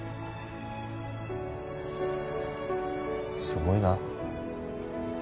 すごいな。